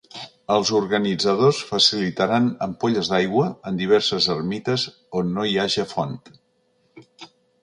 Els organitzadors facilitaran ampolles d’aigua en diverses ermites on no hi haja font.